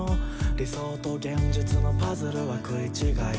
「理想と現実のパズルは食い違い」